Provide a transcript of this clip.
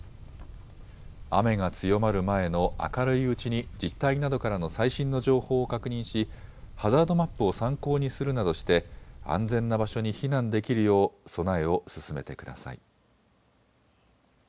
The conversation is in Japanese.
雨が強まる前の明るいうちに自治体などからの最新の情報を確認しハザードマップを参考にするなどして安全な場所に避難できるよう備えを進めてください。